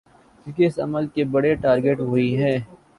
کیونکہ اس عمل کے بڑے ٹارگٹ وہی ہیں۔